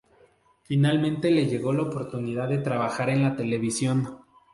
Finalmente le llegó la oportunidad de trabajar en la televisión.